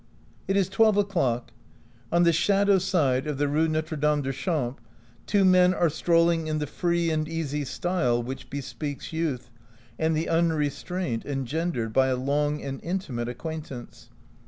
It is twelve o'clock. On the shadow side of the Rue Notre Dame des Champs two men are strolling in the free and easy style which bespeaks youth and the unrestraint engendered by a long and intimate acquaint ance.